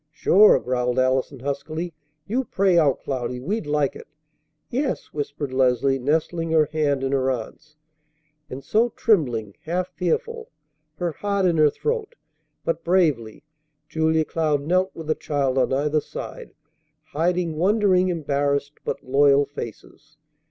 "Sure!" growled Allison huskily. "You pray out, Cloudy. We'd like it." "Yes," whispered Leslie, nestling her hand in her aunt's. And so, trembling, half fearful, her heart in her throat, but bravely, Julia Cloud knelt with a child on either side, hiding wondering, embarrassed, but loyal faces.